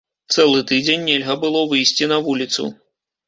Цэлы тыдзень нельга было выйсці на вуліцу.